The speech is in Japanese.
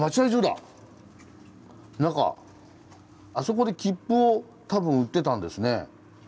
あそこで切符を多分売ってたんですね。